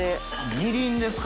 みりんですか？